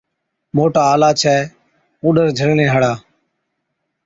موٽا آلا ڇَي اُونڏر جھلڻي هاڙا۔